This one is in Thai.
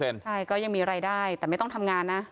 ใช่ก็ยังมีรายได้แต่ไม่ต้องทำงานนะ